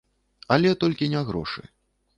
Але толькі не грошы.